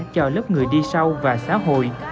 cho lớp người đi sâu và xã hội